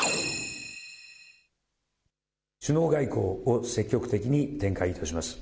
首脳外交を積極的に展開いたします。